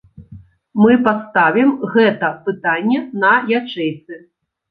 Мы паставім гэта пытанне на ячэйцы.